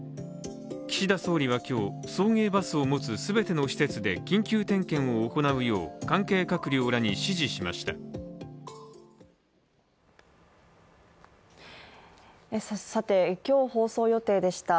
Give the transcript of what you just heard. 岸田総理は今日、送迎バスを持つ全ての施設で緊急点検を行うよう関係閣僚らに指示しました。